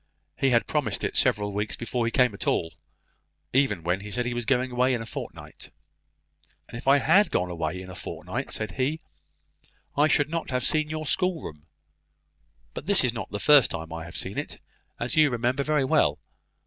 He had promised it several weeks before he came at all; even when he said he was going away in a fortnight. "And if I had gone away in a fortnight," said he, "I should not have seen your schoolroom. But this is not the first time I have seen it, as you remember very well.